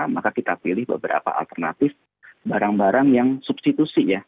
maka kita pilih beberapa alternatif barang barang yang substitusi ya